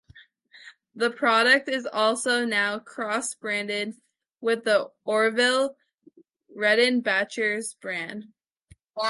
The product is also now cross-branded with the Orville Redenbacher's brand.